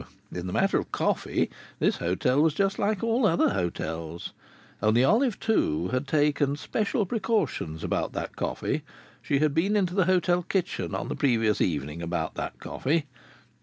In the matter of coffee this hotel was just like all other hotels. Only Olive Two had taken special precautions about that coffee. She had been into the hotel kitchen on the previous evening about that coffee.